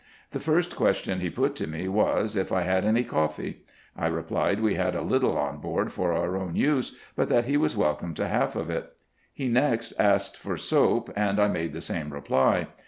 The first question he put to me was, if I had any coffee. I replied we had a little on board for our own use, but that he was welcome to half of it. He next asked for soap, and I made the same reply.